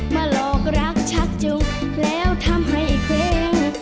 หลอกรักชักจุกแล้วทำให้เคว